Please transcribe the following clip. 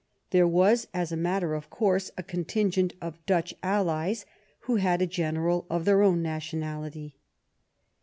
There was, as a matter of course, a contingent of Dutch allies who had a general of their own nationality.